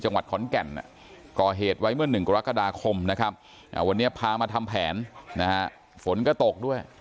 จังหวัดขอนแก่นก่อเหตุไว้เมื่อ๑กรกฎาคมนะครับวันนี้พามาทำแผนนะฮะฝนก็ตกด้วย